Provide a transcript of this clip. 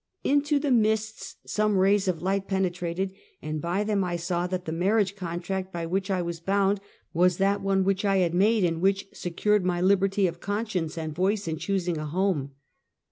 Into the mists some rays of light penetrated, and by them I saw that the marriage contract by which I was bound, was that one which I had made and which secured my liberty of conscience and voice in choosing a home.